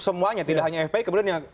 semuanya tidak hanya fpi kemudian yang